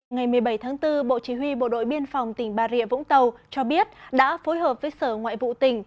ngày một mươi bảy tháng bốn bộ chỉ huy bộ đội biên phòng tỉnh bà rịa vũng tàu cho biết đã phối hợp với sở ngoại vụ tỉnh